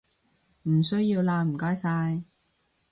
唔需要喇唔該晒